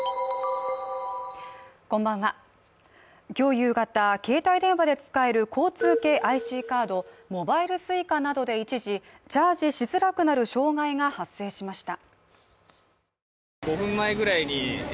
夕方携帯電話で使える交通系ＩＣカードモバイルＳｕｉｃａなどで一時チャージしづらくなる障害が発生しました。